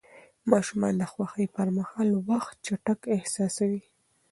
ماشومان د خوښۍ پر مهال وخت چټک احساسوي.